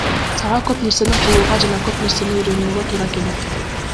Сага көп нерсени кылууга жана көп нерсени үйрөнүүгө туура келет.